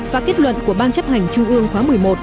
và kết luận của ban chấp hành trung ương khóa một mươi một